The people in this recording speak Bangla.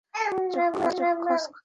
চোখ খচখচ করছে।